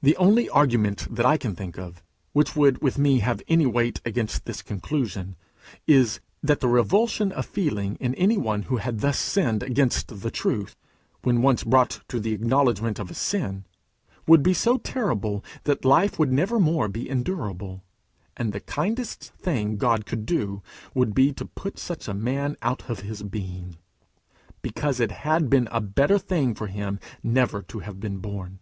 The only argument that I can think of, which would with me have weight against this conclusion, is, that the revulsion of feeling in any one who had thus sinned against the truth, when once brought to acknowledge his sin, would be so terrible that life would never more be endurable, and the kindest thing God could do would be to put such a man out of being, because it had been a better thing for him never to have been born.